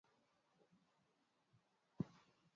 na Ahaggar inayopanda hadi mita elfu mbili Mia Tisa kumi na